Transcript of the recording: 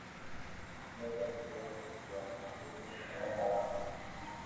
leza vigezo kwa wambunge kimoja wapo